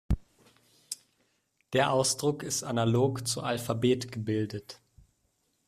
Der Ausdruck ist analog zu "Alphabet" gebildet.